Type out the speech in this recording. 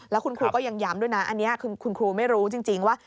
แล้วคุณครูก็ยังย้ำด้วยนะอันนี้คือคุณครูไม่รู้จริงว่า